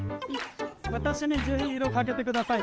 「私にぜひ色かけてください」